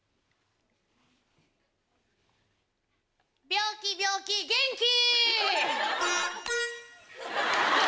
病気病気元気！